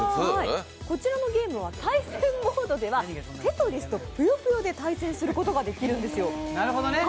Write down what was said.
こちらのゲームは対戦モードでは「テトリス」と「ぷよぷよ」で対戦することができるんですよ。